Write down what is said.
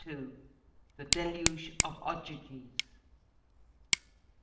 THE DELUGE OF OGYGES.